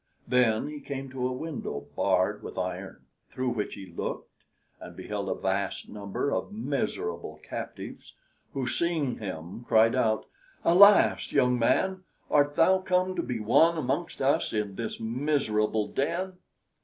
Then he came to a window, barred with iron, through which he looked and beheld a vast number of miserable captives, who, seeing him, cried out: "Alas! young man, art thou come to be one amongst us in this miserable den?"